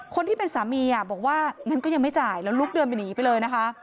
คนที่เป็นสามีบอกว่างั้นก็ยังไม่จ่ายแล้วลุกเดินไปหนีไปเลยนะคะ